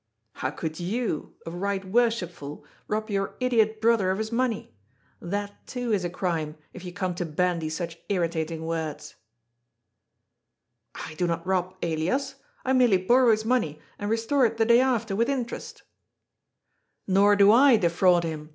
" How could you, a Eight Worshipful, rob your idiot brother of his money ? That, too, is a crime, if you come to bandy such irritating words." " I do not rob Elias. I merely borrow his money, and restore it the day after, with interest." THE SHADOW OF THE SWORD. 413 " Hor do I defraud him.